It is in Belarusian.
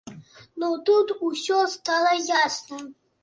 Ну, тут усё стала ясна.